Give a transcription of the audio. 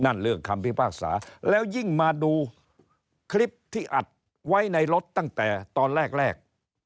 เรื่องคำพิพากษาแล้วยิ่งมาดูคลิปที่อัดไว้ในรถตั้งแต่ตอนแรกแรก